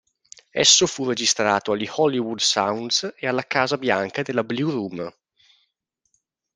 Esso fu registrato agli Hollywood Sounds e alla Casa Bianca nella "Blue Room".